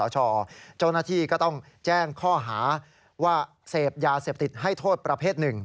เจ้าหน้าที่ก็ต้องแจ้งข้อหาว่าเสพยาเสพติดให้โทษประเภท๑